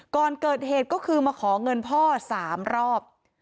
ก่อนเกิดเหตุก็คือมาขอเงินพ่อ๓รอบ